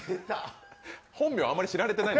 本名あまり知られてない。